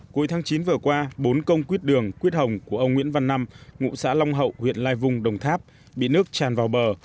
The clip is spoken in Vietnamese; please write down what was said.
cuối tháng chín vừa qua bốn công quyết đường quyết hồng của ông nguyễn văn năm ngụ xã long hậu huyện lai vung đồng tháp bị nước tràn vào bờ